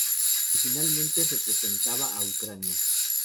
Originalmente representaba a Ucrania.